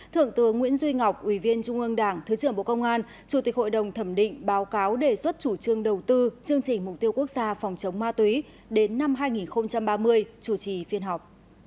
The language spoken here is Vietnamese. thượng tướng nguyễn duy ngọc ủy viên trung ương đảng thứ trưởng bộ công an chủ tịch hội đồng thẩm định báo cáo đề xuất chủ trương đầu tư chương trình mục tiêu quốc gia phòng chống ma túy đến năm hai nghìn ba mươi chủ trì phiên họp